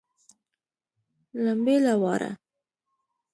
لمبې له واره